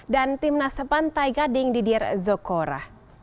dan tim nasepan taiga ding didier zocora